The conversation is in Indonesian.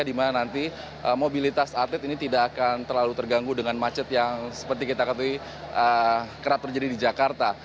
dimana nanti mobilitas artlet ini tidak akan terlalu terganggu dengan macet yang seperti kita katakan kerat terjadi di jakarta